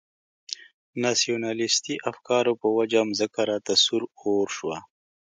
ناسیونالیستي افکارو په وجه مځکه راته سور اور شوه.